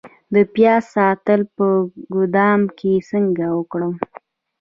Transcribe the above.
د پیاز ساتل په ګدام کې څنګه وکړم؟